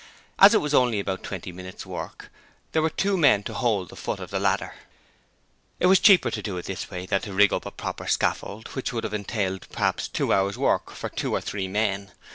As it was only about twenty minutes' work there were two men to hold the foot of the ladder. It was cheaper to do it this way than to rig up a proper scaffold, which would have entailed perhaps two hours' work for two or three men.